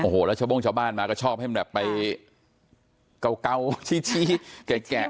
โอ้โหแล้วชาวโม่งชาวบ้านมาก็ชอบให้มันแบบไปเก่าชี้แกะเนี่ยนะครับ